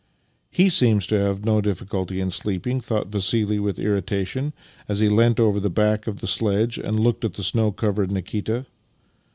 " He seems to have no difficulty in sleeping," thought Vassili with irritation as he leant over the back of the sledge and looked at the snow covered Nikita.